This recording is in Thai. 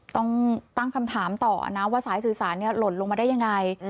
ต้องตั้งคำถามต่อนะว่าสายสื่อสารหล่นลงมาได้ยังไง